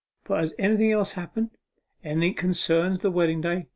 But has anything else happened anything that concerns the wedding to day?